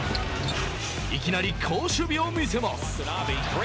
いきなり好守備を見せます。